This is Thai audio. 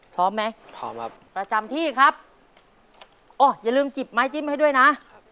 พร้อมไหมพร้อมครับประจำที่ครับโอ้อย่าลืมจิบไม้จิ้มให้ด้วยนะ